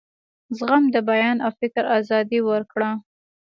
زغم د بیان او فکر آزادي ورکړه.